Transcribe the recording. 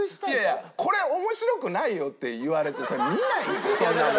これ面白くないよって言われてさ見ないってそんなもん。